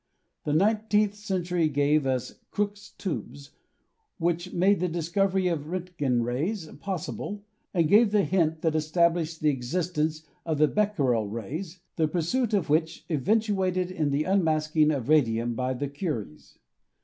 The nineteenth century gave us Crookes' tubes, which made the discovery of Rontgen rays possible and gave the hint that established the existence of the Becquerel rays, the pursuit of which eventuated in the unmasking of radium by the Curies.